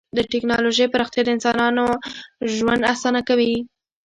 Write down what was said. د ټکنالوژۍ پراختیا د انسانانو ژوند اسانه کوي.